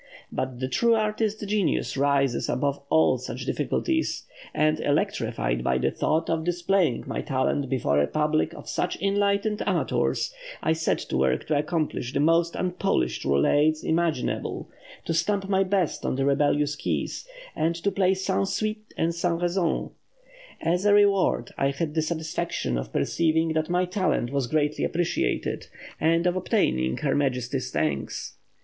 But the true artist genius rises above all such difficulties, and electrified by the thought of displaying my talent before a public of such enlightened amateurs, I set to work to accomplish the most unpolished roulades imaginable, to stamp my best on the rebellious keys, and to play sans suite et sans raison.... As a reward, I had the satisfaction of perceiving that my talent was generally appreciated, and of obtaining her Majesty's thanks.